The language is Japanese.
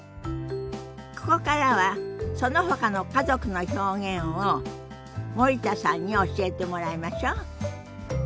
ここからはそのほかの家族の表現を森田さんに教えてもらいましょ。